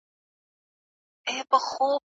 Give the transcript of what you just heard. دغه پېښه تاريخي سوه.